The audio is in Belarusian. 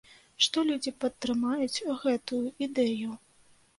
Што людзі падтрымаюць гэтую ідэю.